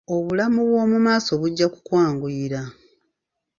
Obulamu bwo mu maaso bujja kukwanguyira.